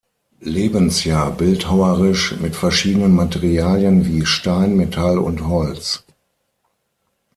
Lebensjahr bildhauerisch mit verschiedenen Materialien wie Stein, Metall und Holz.